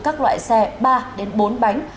các loại xe ba bốn bánh